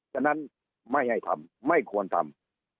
ฉะนั้นไม่ให้ทำไม่ควรทำ